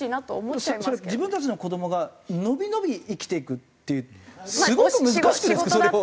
自分たちの子どもが伸び伸び生きていくってすごく難しくないですか？